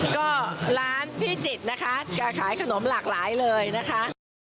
ก็ร้านพิจิตรนะคะจะขายขนมหลากหลายเลยนะคะ